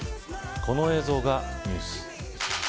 この映像がニュース。